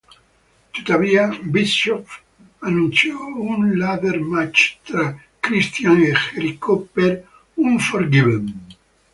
Tuttavia, Bischoff annunciò un ladder match tra Christian e Jericho per Unforgiven.